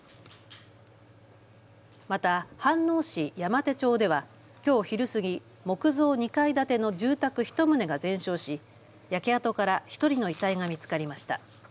また飯能市山手町ではきょう昼過ぎ、木造２階建ての住宅１棟が全焼し焼け跡から１人の遺体が見つかりました。